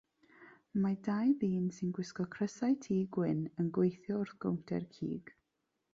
Mae dau ddyn sy'n gwisgo crysau-t gwyn yn gweithio wrth gownter cig.